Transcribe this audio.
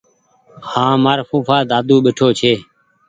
هآنٚ مآرو ڦوڦآ دادو ٻيٺو ڇي